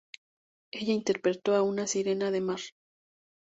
Ella interpretó a una sirena de mar.